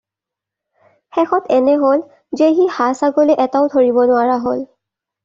শেষত এনে হ'ল, যে সি হাঁহ-ছাগলী এটাও ধৰিব নোৱাৰা হ'ল।